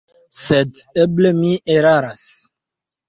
Sed eble mi eraras.